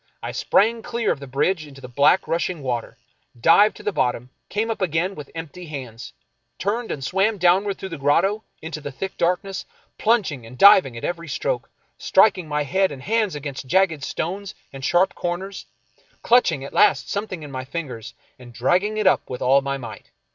I sprang clear of the bridge into the black rushing water, dived to the bottom, came up again with empty hands, turned and swam downward through the grotto in the thick darkness, plunging and diving at every stroke, striking my head and hands against jagged stones and sharp corners, clutching at last something in my fingers and dragging it up with all my might.